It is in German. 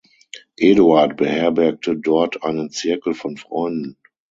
Eduard beherbergte dort einen Zirkel von Freunden.